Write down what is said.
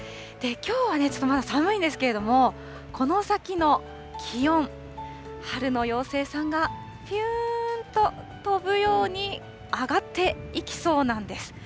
きょうはちょっとまだ寒いんですけども、この先の気温、春の妖精さんがぴゅーんと飛ぶように上がっていきそうなんです。